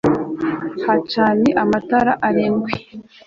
hacanye amatara arindwi